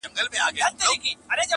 • جګه لوړه لکه سرو خرامانه -